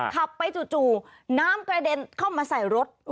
ขับไปจู่น้ำกระเด็นเข้ามาใส่รถ